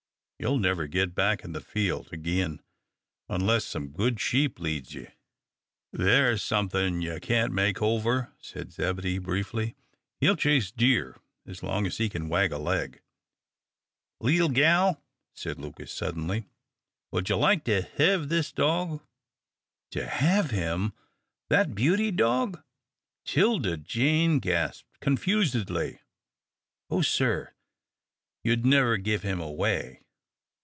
Ye'll never git back in the fold agin unless some good sheep leads ye." "There's somethin' you can't make over," said Zebedee, briefly. "He'll chase deer as long as he kin wag a leg." "Leetle gal," said Lucas, suddenly, "would ye like to hev this dog?" "To have him that beauty dog!" 'Tilda Jane gasped, confusedly. "Oh, sir, you'd never give him away."